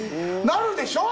なるでしょ？